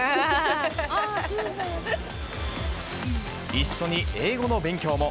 一緒に英語の勉強も。